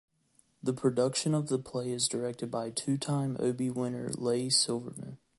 The production of the play is directed by two-time Obie winner Leigh Silverman.